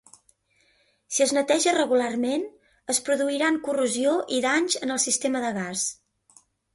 Si es neteja regularment, es produiran corrosió i danys en el sistema de gas.